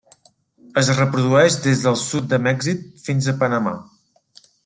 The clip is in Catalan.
Es reprodueix des del sud de Mèxic fins a Panamà.